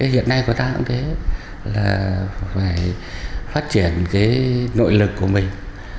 hiện nay của ta cũng thế phải phát triển nội lực của mình